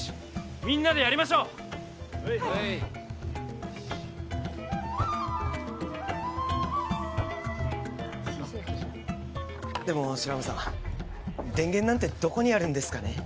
みんなでやりましょうはいシェイシェイでも白浜さん電源なんてどこにあるんですかね